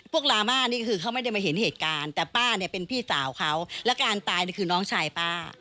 ลามานี่คือเขาไม่ได้มาเห็นเหตุการณ์แต่ป้าเนี่ยเป็นพี่สาวเขาและการตายนี่คือน้องชายป้า